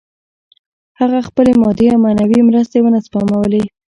هغه خپلې مادي او معنوي مرستې ونه سپمولې